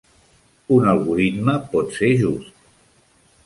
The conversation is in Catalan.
Un algoritme pot ser just.